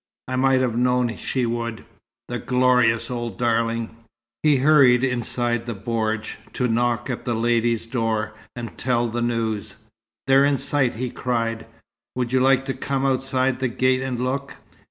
I might have known she would, the glorious old darling!" He hurried inside the bordj to knock at the ladies' door, and tell the news. "They're in sight!" he cried. "Would you like to come outside the gate and look?"